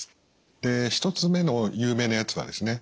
で１つ目の有名なやつはですね